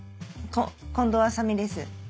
近藤麻美です。